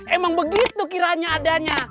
emang begitu kiranya adanya